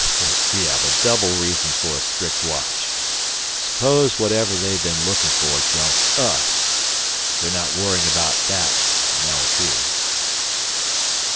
"We have a double reason for a strict watch. Suppose whatever they've been looking for jumps us? They're not worrying over that it now appears."